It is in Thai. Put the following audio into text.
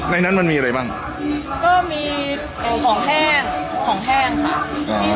นั้นมันมีอะไรบ้างก็มีของแห้งของแห้งค่ะ